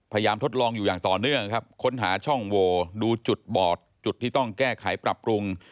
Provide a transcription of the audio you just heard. ทดลองอยู่อย่างต่อเนื่องครับค้นหาช่องโวดูจุดบอดจุดที่ต้องแก้ไขปรับปรุง